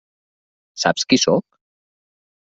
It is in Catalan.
Saps qui sóc?